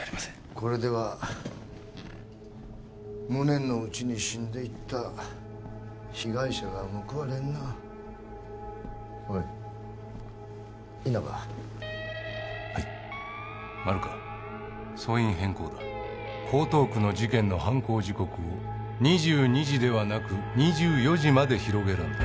これでは無念のうちに死んでいった被害者が報われんなおい稲葉はい丸川訴因変更だ江東区の事件の犯行時刻を２２時ではなく２４時まで広げるんだ